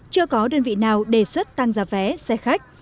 chưa có đơn vị nào đề xuất tăng giá vé xe khách